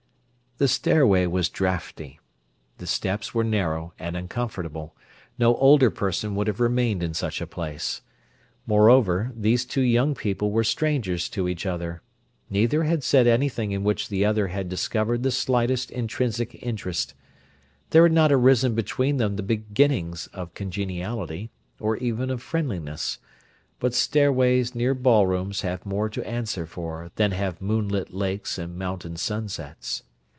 The stairway was draughty: the steps were narrow and uncomfortable; no older person would have remained in such a place. Moreover, these two young people were strangers to each other; neither had said anything in which the other had discovered the slightest intrinsic interest; there had not arisen between them the beginnings of congeniality, or even of friendliness—but stairways near ballrooms have more to answer for than have moonlit lakes and mountain sunsets.